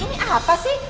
ini apa sih